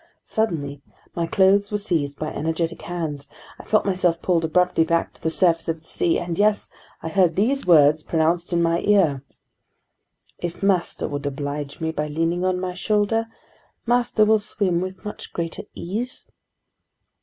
... Suddenly my clothes were seized by energetic hands, I felt myself pulled abruptly back to the surface of the sea, and yes, I heard these words pronounced in my ear: "If master would oblige me by leaning on my shoulder, master will swim with much greater ease."